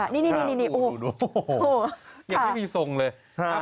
นี่โอ้โหยังไม่มีทรงเลย